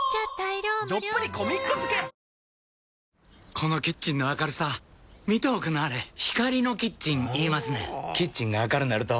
このキッチンの明るさ見ておくんなはれ光のキッチン言いますねんほぉキッチンが明るなると・・・